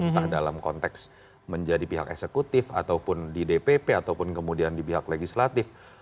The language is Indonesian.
entah dalam konteks menjadi pihak eksekutif ataupun di dpp ataupun kemudian di pihak legislatif